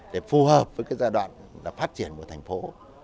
để phù hợp với cái giai đoạn phát triển của thành phố